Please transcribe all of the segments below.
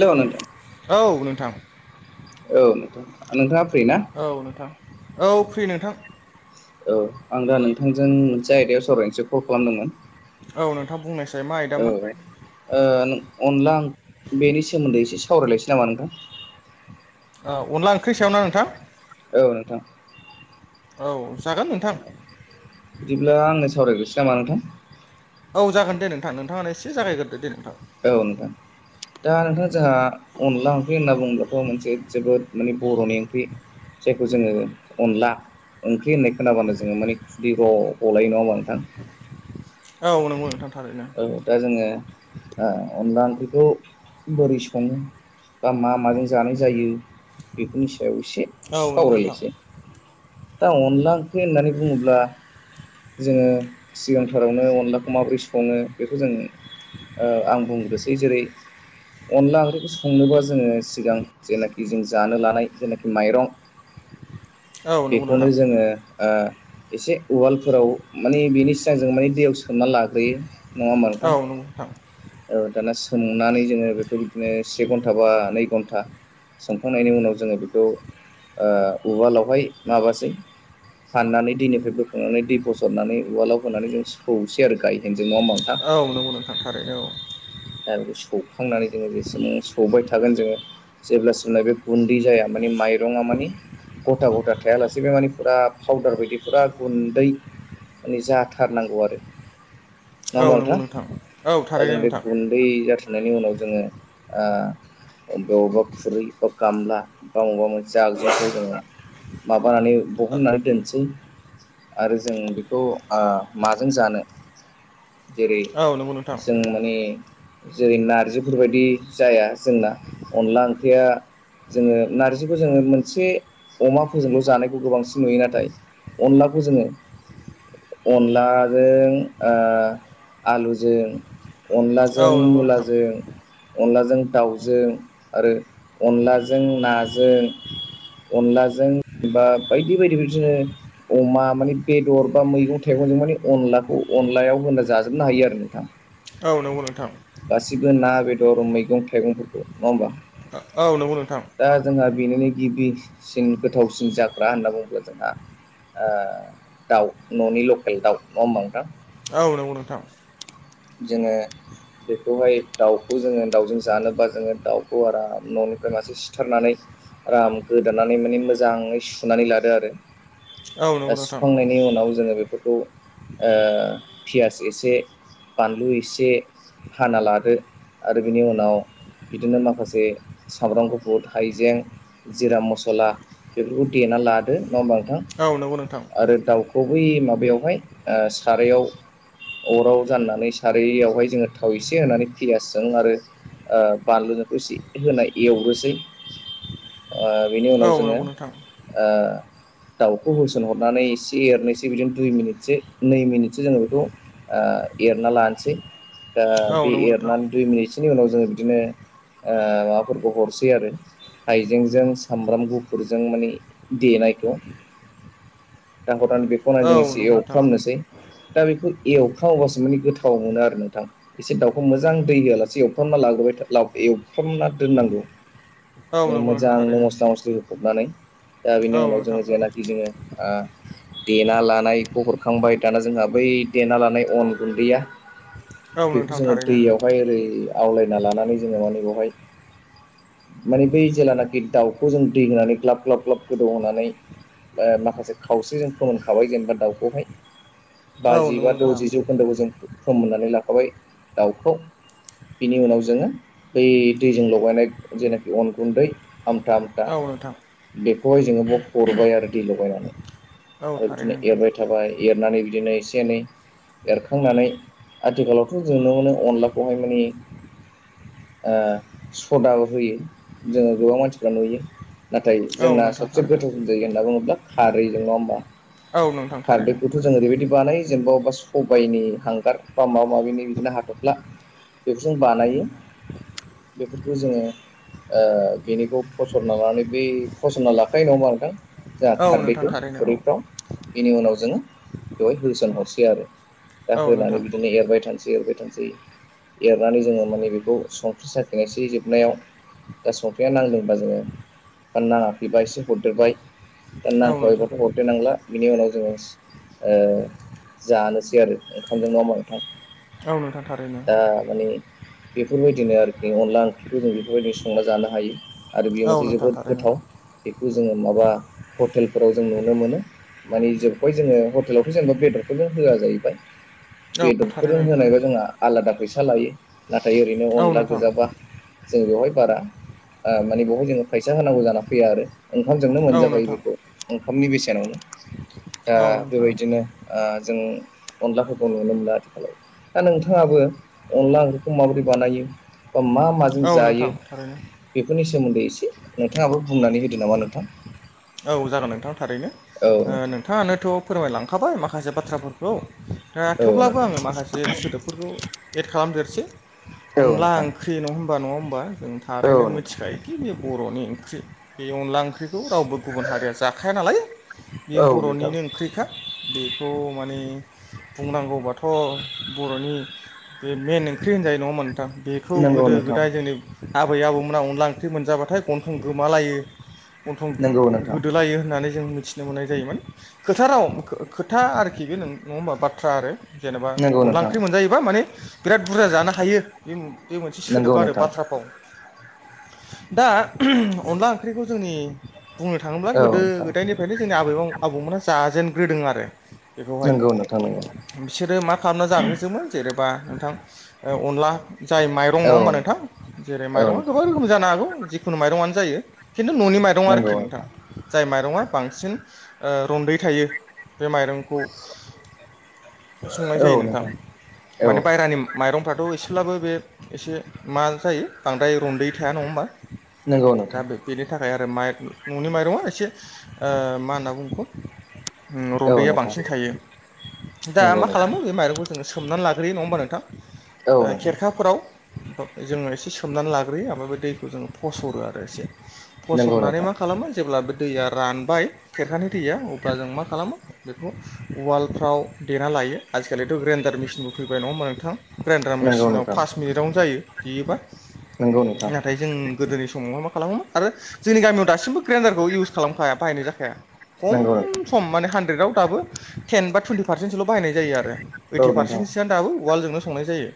Hello नोंथां औ नोंथां। औ नोंथां नोंथाङा फ्रि ना औ नोंथां औ फ्रि नोंथां। औ आं दा नोंथांजों मोनसे आयदायाव सावरायनोसै कल खालामदोंमोन। औ नोंथाङा बुंनाय। औ ओ अनला आं बेनि सोमोन्दै एसे सावरायलायसै नामा नोंथां? अनला ओंख्रि सायावना नोंथां? औ नोंथां। औ। जागोन नोंथां बिदिब्ला आंनो सावरायग्रोसो नामा नोंथां? औ जागोन दे नोंथां नोंथाङा एसे जागायगोरदोे दे नोंथां। औ नोंथां। दा नोंथाङा जोंहा अनला ओंख्रि होनना बुङोबाथ' मोनसे जोबोद माने बर'नि ओंख्रि। जायखौ जोङो अनला ओंख्रि होननाय खोनाबानो जोङो माने खुदै र' गलायो नङा होमा नोंथां। औ नोंगौ नोंथां। थारैनो औ दा जोङो ओ अनला ओंख्रिखौ बोरै सङो बा मा माजों जानाय जायो बेफोरनि सायाव एसे औ नंगौ नोंथां सावरायलायसै। दा अनला ओंख्रि होननानै बुङोब्ला जोङो सिगांथारावनो अनलाखौ माबोरै सङो बेखौ जों ओ आं बुंग्रोसै जेरै अनला ओंख्रिखौ संनोबा जोङो सिगां जेनाखि जों जानो लानाय जेनाखि माइरं औ नंगौ बेखौनो नोंथां जोङो ओ एसे उवालफोराव माने बेनि सिगां जों माने दैयाव सोमना लाग्रोयो। नङा होमबा औ नोंथां। औ दाना सोमनानै जोङो बेखौ बिदिनो से घन्टा बा नै घन्टा संखांनायनि उनाव जोङो बेखौ ओ उवालावहाय माबासै फाननानै दैनिफ्राय बोखांनानै दै फसरनानै उवालाव होनानै जों सौसै आरो गायहेन औ नंगौ नों थांथारैनो औ। आरो बे सौखांनानै जोङो जेसेबां सौबाय थागोन जोङो जेब्लासिम लागे गुन्दै जाया माने माइ रङा मानि ग'था ग'था थायालासे बे माने फुरा फाउदार बायदि फुरा गुन्दै माने जाथारनांगौ आरो। नङा औ होमबा नंगौ नोंथां औ दा जों थारैनो बे नोंथां। गुन्दै जाथारनायनि उनाव जोङो ओ अबे अबबा खुरै अब गामला बा अबा मोनसे आगजेंफ्राव जोङो माबानानै बहननानै दोनसै आरो जों बेखौ ओ माजों जानो? जेरै औ नंगौ नोंथां जों माने जेरै नार्जिफोरबायदि जाया जोंना अनला ओंख्रिया जोङो नार्जिखौ जोङो मोनसे अमाफोरजोंल' जानायखौ गोबांसिन नुयो नाथाय अनलाखौ जोङो अनलाजों ओ आलुजों अन औ जों नंगौ नोंथां मुलाजों अनला जो दाउजों आरो अनलाजों नाजों अनलाजों बा बायदि बायदि बिब्दिनो अमा मानि बेदर बा मैगं थाइगंजों माने अनलाखौ अनलायाव होना जाजोबनो हायो आरो नोंथां। औ नंगौ नोंथां। गासिबो ना बेदर मैगं थाइगंफोरखौ नङा होमबा? औ नंगौ नोंथां। दा जोंहा बेनिनो गिबिसिन गोथावसिन जाग्रा होनना बुङोब्ला जोंहा ओ दाउ न'नि लकेल दाउ न' होनबा नोंथां? औ नंगौ नोंथां। जोङो बेखौहाय दाउखौ जोङो दाउजों जानोबा जोङो दाउखौ आराम न'निफ्राय मासे सिथारनानै आराम गोदानानै माने मोजाङै सुनानै लादो आरो औ दा नंगौ नोंथां सुखांनायनि उनाव जोङो बे फोरखौ ओ फियास एसे बानलु एसे हाना लादो आरो बिनि उनाव बिदिनो माखासे सामब्राम गुफुर हाइजें जिरा मस'ला बेफोरखौ देना ना लादो नङा होनबा नोंथां औ नंगौ नोंथां आरो दाउ गुबै माबायावहाय ओ सारायाव अराव जाननानै सारैयावहाय जोङो थाव एसे होनानै पियासजों आरो ओ बानलुजोंखौ इसे होना एवग्रोसै ओ बिनि उनाव औ जोङो नंगौ नोंथां ओ दाउखौ होसनहरनानै इसे एरनोसै बिदिनो दुइ मिनिटसो नै मिनिटसो जोङो बिखो ओ एरना लानोसै दा बे औ नंगौ नोंथां एरनानै दुइ मिनिटसोनि उनाव जोङो बिदिनो ओ माबाफोरखौ हरसै आरो हाइजेंजों सामब्राम गुफुरजों माने देनायखौ दा हरनानै बेखौ नाय औ जों एसे नंगौ नोंथां एवफ्रामनोसै दा बेखौ एवफ्रामोबासो माने गोथाव मोनो आरो नोंथां एसे दाउखौ मोजां दै होआलासे एवफ्रामना लाग्रोबाय था लाव एवफ्रामना दोननांगौ औ ओ नंगौ नोंथां मोजांनो थारैनो मस्ला मस्लि होफबनानै दा बेनि औ उनाव नोंथां जोङो जेनाखि जोङो ओ देना लानायखौ हरखांबाय दाना जोंहा बै देना लानाय अन गुन्दैया औ बेखौ नोंथां जोङो थारैनो दैयावहाय ओरै आवलायना लानानै जोङो माने बोहाय माने बै जेेलानाखि दाउखौ जों दै होनानै ग्लाब ग्लाब ग्लाब गोदौ होनानै ओ माखासे खावसेजों फोमोनखाबाय जेनेबा दाउखौहाय औ बाजि नंगौ बा नोंथां द'जि जौ [unintelligible] जों फोमोननानै लाखाबाय दाउखौ बिनि उनाव जोङो बै दैजों लगायनाय जेनाखि अन गुन्दै आमथा आमथा औ नोंथां बेखौहाय जोङो ब हरबाय आरो दै लगायनानै औ आरो थारैनो बिदिनो नोंथां एरबाय थाबाय एरनानै बिदिनो एसे एनै एरखांनानै आथिखालावथ' जों नुनो मोनो अनलाखौहाय माने ओ सदाबो होयो जोङो गोबां मानसिफ्रा नुयो। नाथाय औ जोंना नोंथां सबसे थारैनो गोथाव जायो होनना बुङोब्ला खारैजों नङा होमबा। औ नोंथां थारैनो खारदैखौथ' जों ओरैबायदि बानाय जेनेबा अबेबा सबाइनि हांगार बा माबा माबिनि बिदिनो हाथफ्ला बेफोर जों बानायो। बेफोरखौ जोङो बेनिखौ फसनना लानानै बै फसरना लाखायो नङामबा नोंथां? जों औ नोंथां खारदैखौ थारैनो औ खुरैफ्राव बिनि उनाव जोङो बेवहाय होसनहरसै आरो दा औ होनानै नोंथां बिदिनो एरबाय थानोसै एरबाय। थोंसै एरनानै जोङो माने बेखौ संख्रि साखिनायसै जोबनायाव दा संख्रिया नांदोंबा जोङो नाङाखैबा एसे हरदेरबाय दा औ नोंथां नांखाबायबाथ' हरदेरेनांला बिनि उनाव जोङो जानोसै। बि आरो ओंखामजों नङा होनबा नोंथां? औ नोंथां थारैनो। दा माने बेफोरबायदिनो आरोखि अनला ओंख्रिखौ जों बेफोरबायदिनो संना जानो हायो। आरो बेयो औ मोनसे नोंथां जोबोद थारैनो गोथाव बेखौ जोङो माबा हटेलफोराव जों नुनो मोनो। मानि जोबबाय जोङो हटेलावथ' जेनेबा बेदरफोरजों होआ जायो। औ थारैनो बेदरफोरजों नोंथां होनायबा जोंहा आलादा फैसा लायो नाथाय ओरैनो औ अनला नोंथां गोजाबा जों बेवहाय बारा माने बेवहाय जोङो फैसा होनांगौ जाना फैया आरो। ओंखामजोंनो औ मोनजाबायो नोंथां बेखौ ओंखामनि बेसेनावनो। दा औ नोंथां बेबायदिनो जों अनलाफोरखौ नुनो मोनो आथिखालाव दा नोंथाङाबो अनला ओंख्रिखौ माबोरै बानायो मा मा माजों औ जायो नोंथां थारैनो बेफोरनि सोमोन्दै एसे नोंथाङाबो बुंनानै होदो नामा नोंथां। औ जागोन नोंथां थारैनो औ नोंथां नोंथाङानोथ' फोरमायलांखाबाय माखासे बाथ्राफोरखौ। दा थेवब्लाबो आङो माखासे सोदोबफोरखौ एद खालामदेरसै औ अनला नोंथां ओंख्रि नङा होनबा नङा होमबा जों औ थारैनो नोंथां मिथिखायोदि बे बर'नि ओंख्रि बे अनला ओंख्रिखौ रावबो गुबुन हारिया जाखाया नालाय बेयो औ नोंथां औ नोंथां बर'निनो ओंख्रिखा बेखौ माने बुंनांगौबाथ' बर'नि बे मेन ओंख्रि होनजायो नङा होनबा थां बेखौ नंगौ गोदो नोंथां गोदाय जोंनि आबै आबौमोनहा अनला ओंख्रि मोनजाबाथाय गन्थं गोमालायो गन्थं नंगौ नोंथां गोदोलायो होननानै जों मिथिनो मोननाय जायोमोन खोथा राव खोथा आरोखि बे नङा होमबा बाथ्रा आरो। जेनेबा नंगौ अनला नोंथां ओंख्रि मोनजायोबा माने बिराद बुरजा जानो हायो बे बे मोनसे सोदोब नंगौ आरो नोंथां बाथ्रा फाव। दा अनला ओंख्रिखौ जोंनि बुंनो थाङोब्ला औ गोदो नोंथां गोदायनिफ्रायनो जोंनि आबै आबौमोनहा जाजेनग्रोदों आरो। बेखौहाय नंगौ नोंथां नंगौ बिसोरो मा खालामना जागोसोमोन जेरै बा नोंथां अनला जाय माइरं नङा होनोमबा नोंथां। जेरै औ माइरङा नोंथां गोबां रोखोम जानो हागौ जिखुनु माइरंआनो जायो। खिन्थु न'नि माइरं आरोखि नोंथां जाय माइरंआ बांसिन ओ रन्दै थायो। बे माइरंखौ संनाय जायो नोंथां औ माने बायहेरानि माइरं फ्राथ' एसेब्लाबो बे एसे मा जायो बांद्राय रन्दै थाया नङा होमबा नोंगौ नोंथां। ओफ्राय आरो न'नि माइरङआ ओ एसे मा होनना बुंगो औ रन्दैया नोंथां बांसिन थायो दा नंगौ मा नोंथां खालामो बे माइरंखौ जोङो सोमनानै लाग्रोयो नङा होमबा नोंथां? औ ओ नोंथां खेरखाफोराव जोङो एसे सोमनानै लाग्रोयो ओमफ्राय बे दैखौ जोङो फसरो आरो एसे नोंगौ फसरनानै नोंथां। मा खालामो जेब्ला बे दैया रानबाय खेरखानि दैया अब्ला जों मा खालामो बेखौ वालफ्राव देना लायो आजिलिथ' ग्रेन्दडारेसिनबो फैबाय नङा होमबा नोंथां? ग्रेइन्डार नंगौ मेसिनाव पास मिनिटावनो जायो देयोबा। नोंगौ नोंथां। नाथाय जों गोदोनि समाव मा मा खालामोमोन आरो जोंनि गामियाव दासिमबो ग्रेन्डारखौ इउस खालामखाया बाहायनाय जाखाया। खम नंगौ नोंथां सम माने हानद्रेदाव दाबो टेन बा टुइेन्टि पारसेन्टसोल' बाहायनाय जायो आरो। औ ओइटि नोंथां पारसेन्टसोआ दाबो वालजोंनो संनाय जायो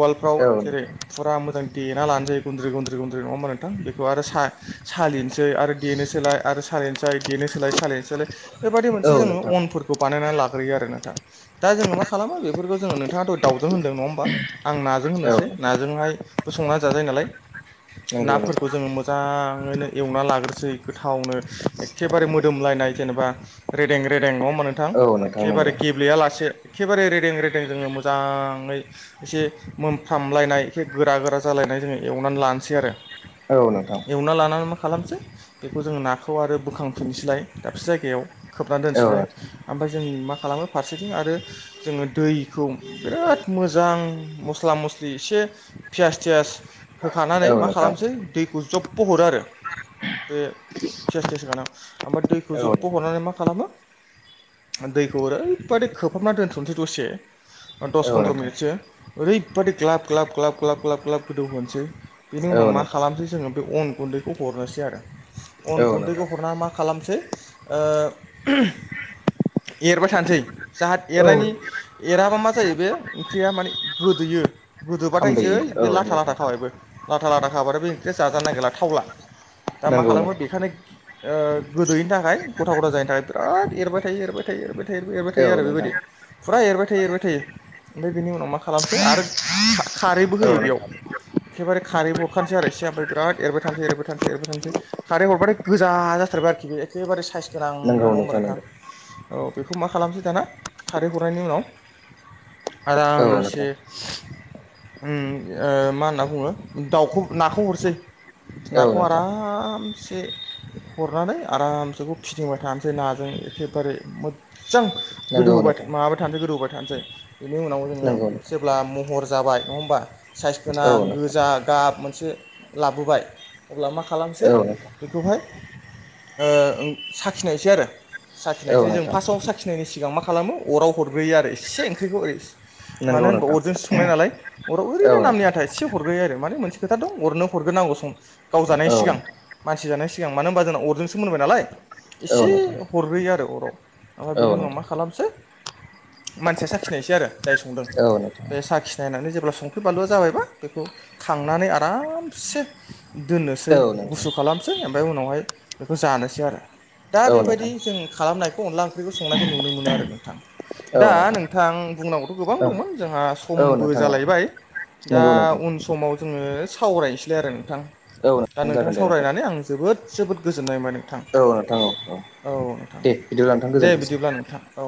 वालफ्राव औ नोंथां जेरै फुरा मोजां देना लानोसै गुन्द्रि गुन्द्रि गुन्द्रि नङा होमबा नोंथां बेखौ आरो सा सालिनो सै आरो देनो सोलाय आरो सालिनोसैलाय देनो सोलाय सालिनोसोलाय बेबायदि मोनसे औ जोङो नोंथां अनफोरखौ बानायनानै लाग यो आरोना [unintelligible] दा जोङो मा खालामो बेफोरखौ जोङो नोंथाङाथ' दाउजों होनदों नङा होनोमबा आं नाजों औ होनोसै नोंथां नाजोंहायबो संनानै जाजायो नालाय। नंगौ नाफोरखौ नोंथां जोङो मोजाङैनो एवना लाग्रोसै गोथावनो एखेबारे मोदोमलायनाय जेनेबा रेदें रेदें नङा होमबा नोंथां औ नोंथां एखेबारे नंगौ गेब्लेया लासे एखेबारे रेदें रेदें जोङो मोजाङै एसे मोनफ्रामलायनाय ए गोरा गोरा जालायनाय जोङो एव एवनानै लानोसै आरो औ नोंथां एवना लानानै माख खालामसै बेखौ जोंङो नाखौ आरो बोखांफिननोसैलाय दाबसे जायगायाव खोबनानै औ दोनसैलाय नोंथां ओमफ्राय जों मा खालामो फारसेथिं आरो जोङो दैखौ बिराद मोजां मस्ला मस्लि एसे पियास थियास होखानानै औ मा नोंथां खालामनोसै दैखौ जब्ब हरो आरो। बे फियास तियास होखांनायाव ओमफ्राय दैखौ औ जब्ब' नोंथां हरनानै मा खालामो दैखौ ओरैबादि खोबहाबना दोनथ'नोसै दसे दस औ फन्द्र' नोंथां मिनिटसो ओरैबादि ग्लाब ग्लाब ग्लाब ग्लाब ग्लाब ग्लाब गोदौ होनोसै। बेनि उनाव औ मा नोंथां खालामसै जोङो बे अन गुन्दैखौ हरनोसै आरो। अन औ गुन्दैखौ नोंथां हरनानै मा खालामसै ओ एरबाय थानोसै जाहाथ औ एरनायनि एराबा मा जायो बे ओंख्रिया माने गोदोयो। गोदोबाथाय जै खामदोयो बे औ लाथा नोंथां लाथा खाबायबो लाथा लाथा खाबाथाय बे ओंख्रिया जाजानो नागिरला थावला। दा मा नंगौ खालामो नोंथां बेखायनो ओ गोदोयिनि थाखाय गथ' गथा जायनि थाखाय बिराद एरबाय थायो एरबाय थायो एरबाय था थायो एरबाय औ थायो आरो नोंथां बेबायदि। फुरा एरबाय थायो एरबाय थायो ओमफ्राय बिनि उनाव मा खालामसै आरो खा-खारैबो औ होयो बेयाव। नोंथां एखेबारे खारैबो हरखानोसै आरो एसे ओमफ्राय बिराद एरबाय थानोसै एरबाय थानो एरबाय थानोसै खारै हरबाथाय गोजा जाथारबाय आरोखि बे एखेबे साइस गोनांनो नंगौ नङा होनबा नोंथां? नंगौ औ बेखौ मा खालामसै दाना खारै हरनायनि उनाव औ आरामसे नोंथां उम्म मा होनना बुङो दाउखौ नाखौ हरसै। औ खौ नोंथां आरामसे हरनानै आरामसेखौ फिदिंबाय थानोसै नाजों एखेबारे मो जां गोदौ नंगौ होबाय नोंथां माबाय थानोसै गोदौ होबाय थानोसै बिनि उनाव जोङो नंगौ नोंथां जेब्ला महर ज जाबाय नङा होनबा साइस गोनां औ नोंथां गोजा गाब मोनसे लाबोबाय। अब्ला मा खालामनोसै औ नोंथां औ बेखौहाय ओ साखिनायनोसै आरो। साखिनायसै जों नोंथां फार्स्टआव साखिनायनि सिगां मा खालामो अराव हरग्रोयो आरो एसे ओंख्रिखौ ओरै मानो नंगौ होनबा नोंथां अरजोंसो संनाय नालाय अराव ओरैनो औ नामनि नोंथां आथा एसे हरग्रोयो आरो। माने मोनसे खोथा दं अरनो हरग्रोनांगौ सम गाव जानायनि औ सिगां नोंथां मानसि जानाय सि सिगां मानो होनबा जोंना अरजोंसो मोनबाय नालाय। औ एसे नोंथां हरग्रोयो आरो अराव ओमफ्राय बेनि औ उनाव नोंथां मा खालामसै मानसिया साखिनायसै आरो जाय संदों। औ नोंथां बे साखि नायनानै जेब्ला संख्रि बानलुआ जाबायबा बेखौ खांनानै आरामसे दोननोसै औ नोंथां गुसु खालामसै ओमफ्राय उनावहाय बेखौ जानोसै आरो। दा औ बेबायदि नोंथां जों खालामनायखौ अनला ओंख्रिखौ संनायखौ नुनो मोनो आरो नोंथां। दा नोंथां बुंनांगौथ' गोबां औ दंमोन जोंहा औ समबो नोंथां औ जालायबाय। दा नंगौ नोंथां उन समाव जोङो सावरायनोसैलाय आरो नोंथां। औ दा नोंथां जागोन दे सावरायनानै आं जोबोद जोबोद गोजोननाय मोनबाय नोंथां। औ नोंथां औ औ नोंथां दे बिदिब्ला नोंथां दे गोजोनथोंसै बिदिब्ला नोंथां औ।